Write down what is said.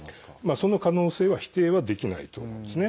その可能性は否定はできないと思うんですね。